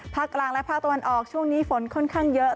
กลางและภาคตะวันออกช่วงนี้ฝนค่อนข้างเยอะ